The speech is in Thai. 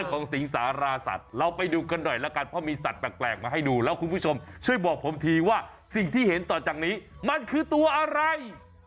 ของสิงสาราสัตว์เราไปดูกันหน่อยละกันเพราะมีสัตว์แปลกมาให้ดูแล้วคุณผู้ชมช่วยบอกผมทีว่าสิ่งที่เห็นต่อจากนี้มันคือตัวอะไร